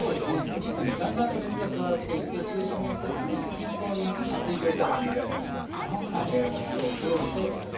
お肉にだんだんと熱が加わっていって中心に行く時に均等に熱い状態で煮られるので。